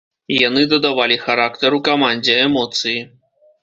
Яны дадавалі характару камандзе, эмоцыі.